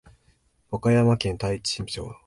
和歌山県太地町